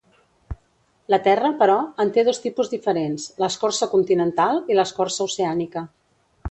La Terra, però, en té dos tipus diferents: l'escorça continental i l'escorça oceànica.